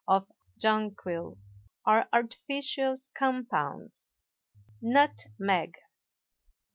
of Jonquil are artificial compounds. NUTMEG.